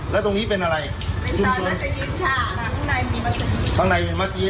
แล้วตรงนี้เป็นอะไร